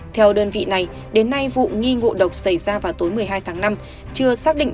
theo đơn vị này đến nay vụ nghi ngộ độc xảy ra vào tối một mươi hai tháng năm